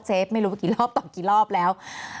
เซฟไม่รู้กี่รอบต่อกี่รอบแล้ว